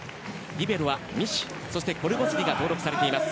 リベロはミシ、そしてコルボスリが登録されています。